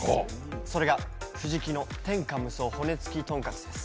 それが富士きの天下無双骨付とんかつです。